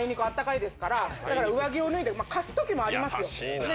だから上着を脱いで貸すときもありますよ。